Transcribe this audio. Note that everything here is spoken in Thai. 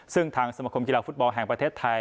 ซึ่งทางสมคมกีฬาฟุตบอลแห่งประเทศไทย